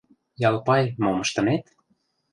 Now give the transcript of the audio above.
— Ялпай, мом ыштынет?